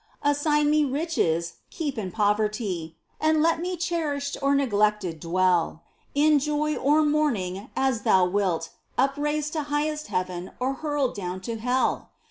Assign me riches, keep in poverty, And let me cherished or neglected dwell, In joy or mourning as Thou wilt, upraised To highest heaven, or hurled down to hell